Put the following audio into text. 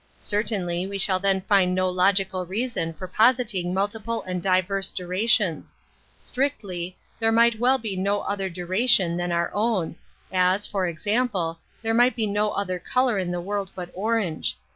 Certainly, we shall then find no logical reason for positing multiple and diverse durations. Strictly, there might well be no other duration than our own, as, for e.xample, there might be no other color in the world but orange.